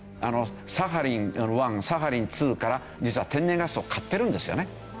サハリン１サハリン２から実は天然ガスを買ってるんですよね。